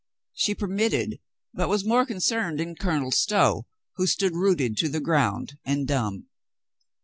She permitted, but was more con cerned in Colonel Stow, who stood rooted to the ground and dumb.